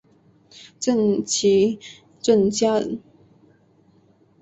郑琦郑家人。